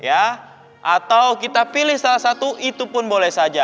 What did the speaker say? atau kita pilih salah satu itu pun boleh saja